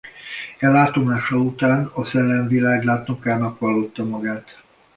E látomása után a szellemvilág látnokának vallotta magát.